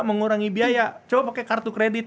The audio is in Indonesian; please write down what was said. mengurangi biaya coba pakai kartu kredit